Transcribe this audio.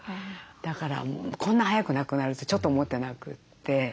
だからこんな早く亡くなるってちょっと思ってなくて。